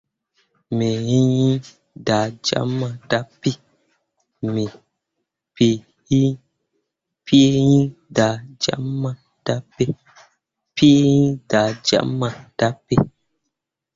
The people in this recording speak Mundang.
Piigi iŋ da jama dape.